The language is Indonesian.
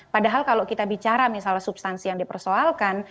padahal kalau kita bicara misalnya substansi yang dipersoalkan